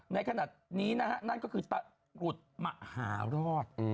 ในขณะนี้นะฮะนั่นก็คือตะกรุดมหารอด